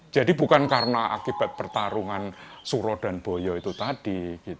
jadi bukan karena akibat pertarungan suro dan boyo itu tadi